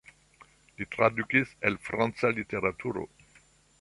Li tradukis el franca literaturo.